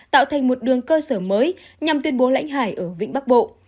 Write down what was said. tạo thành một đường cơ sở mới nhằm tuyên bố lãnh hải ở vịnh bắc bộ